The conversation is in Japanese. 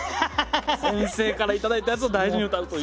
先生から頂いたやつを大事に歌うという。